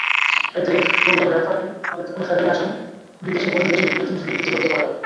এতে কোনো ফেরারি আসামি বিদেশে বসে দেশের ইতিহাস বিকৃতি করতে পারবে না।